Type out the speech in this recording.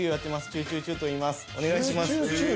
チューチューチューといいますお願いします